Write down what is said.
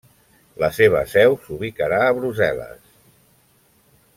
La seva seu s'ubicarà en Brussel·les.